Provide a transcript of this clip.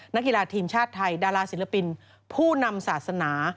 นักกีฬาทีมชาติไทยดาราศิลปินผู้นำศาสนา